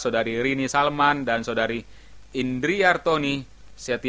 dan bimbang yesus lindung aku